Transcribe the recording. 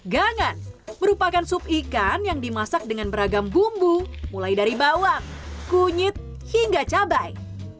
gangan merupakan sup ikan yang dimasak dengan beragam bumbu mulai dari bawang kunyit hingga cabai